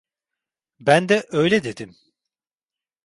Ben de öyle dedim.